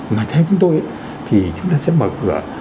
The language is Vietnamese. mà theo chúng tôi thì chúng ta sẽ mở cửa